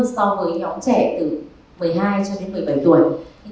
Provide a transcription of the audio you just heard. so với nhóm trẻ từ một mươi hai cho đến một mươi bảy tuổi